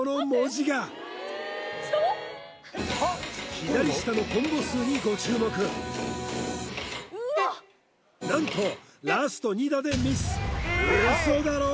左下のコンボ数にご注目何とラスト２打でミスウソだろ